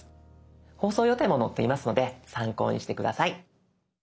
放送予定も載っていますので参考にして下さい。